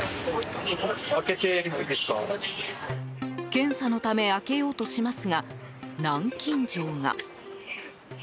検査のため開けようとしますが南京錠が。